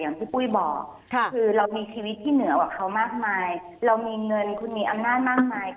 อย่างที่ปุ๊ยบอกเรามีชีวิตที่เหนือกับเขามากมายเรามีเงินมีอำนาจมากมาย